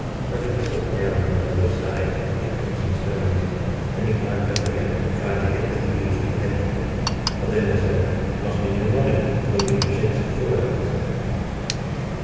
Frederick slipped down on the other side, and picked up some stones. Then he climbed up again, and tried to hit the thieves on the head with them: but they only said, 'It must be near morning, for the wind shakes the fir apples down.